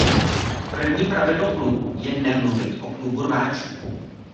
První pravidlo Klubu je nemluvit o Klubu rváčů.